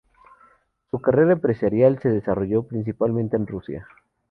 Su carrera empresarial se desarrolló principalmente en Rusia.